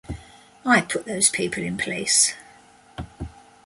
I put those people in place.